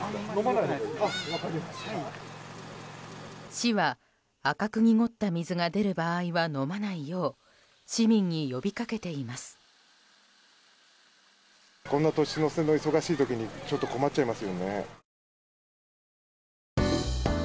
市は赤く濁った水が出る場合は飲まないよう市民に呼び掛けています。